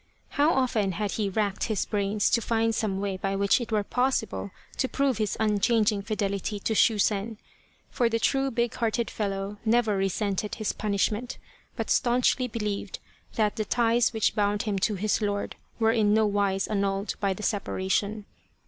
How often had he racked his brains to find some way by which it were possible to prove his unchang ing fidelity to Shusen ; for the true big hearted fellow never resented his punishment, but staunchly believed that the ties which bound him to his lord were in no wise annulled by the separation.